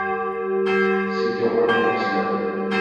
Sitio Web Oficial.